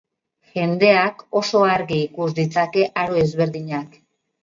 Jendeak oso argi ikus ditzake aro ezberdinak.